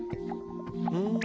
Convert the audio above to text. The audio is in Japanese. うん。